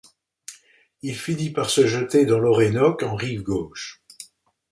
Il finit par se jeter dans l'Orénoque en rive gauche.